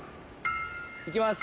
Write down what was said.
いきます。